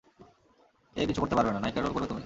এ কিছু করতে পারবে না, নায়িকার রোল করবে তুমি।